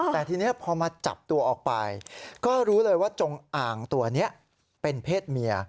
แต่ทีนี้พอมาจับตัวออกไปก็รู้เลยว่าจงอ่างตัวนี้เป็นเพศเมีย